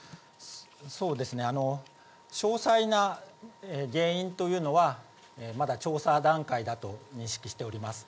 そうですね、詳細な原因というのは、まだ調査段階だと認識しております。